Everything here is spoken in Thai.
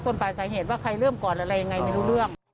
คนตามใจเหตุว่าใครเริ่มก่อนอะไรยังไงไม่รู้เรื่อง